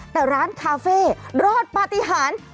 แต่ร้านคาเฟ่รอดปฏิหาร